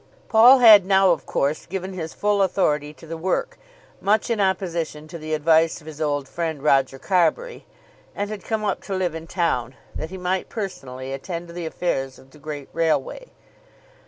Paul had now of course given his full authority to the work, much in opposition to the advice of his old friend Roger Carbury, and had come up to live in town, that he might personally attend to the affairs of the great railway.